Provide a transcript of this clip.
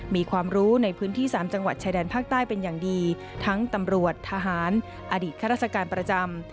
มีความรู้ในพื้นที่สามจังหวัดชายแดนภาคใต้เป็นอย่างดีทั้งตำรวจทหารอดีตข้าราชการประจำ